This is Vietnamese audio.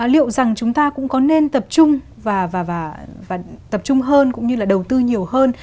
liệu rằng chúng ta cũng có nên tập trung và tập trung hơn cũng như là đầu tư nhiều hơn